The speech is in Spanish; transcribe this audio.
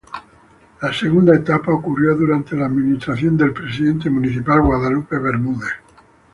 La segunda etapa ocurrió durante la administración del presidente municipal, Guadalupe Bermúdez.